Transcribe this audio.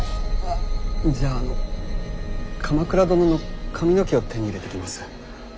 じゃああの鎌倉殿の髪の毛を手に入れてきます。